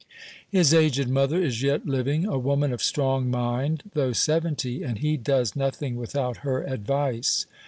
His aged mother is yet living, a woman of strong mind, though seventy, and he does nothing without her advice.